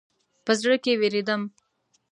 په زړه کې وېرېدم.